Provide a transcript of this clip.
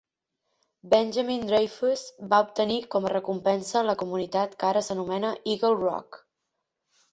Benjamin Dreyfus va obtenir com a recompensa la comunitat que ara s'anomena Eagle Rock.